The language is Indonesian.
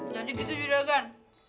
jadi gitu juragan